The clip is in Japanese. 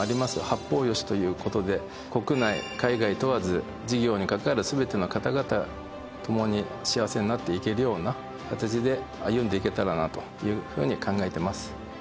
「八方よし」という事で国内・海外問わず事業に関わる全ての方々共に幸せになっていけるような形で歩んでいけたらなというふうに考えてます。